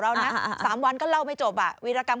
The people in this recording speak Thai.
คุณธนทัศน์เล่ากันหน่อยนะคะ